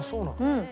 うん。